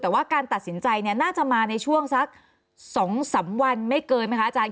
แต่ว่าการตัดสินใจเนี่ยน่าจะมาในช่วงสัก๒๓วันไม่เกินไหมคะอาจารย